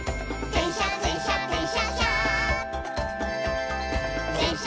「でんしゃでんしゃでんしゃっしゃ」